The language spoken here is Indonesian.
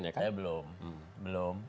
ya belum belum